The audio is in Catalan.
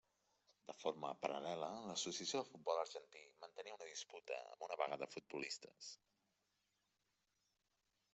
De forma paral·lela, l'Associació del Futbol Argentí mantenia una disputa amb una vaga de futbolistes.